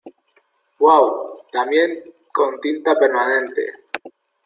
¡ Uau! ¡ también con tinta permanente !